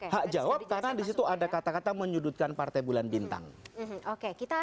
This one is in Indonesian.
hak jawab karena disitu ada kata kata menyudutkan perintahnya